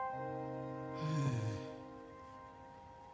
うん。